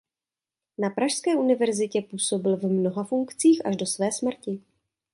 Na pražské univerzitě působil v mnoha funkcích až do své smrti.